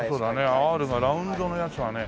アールがラウンドのやつはね。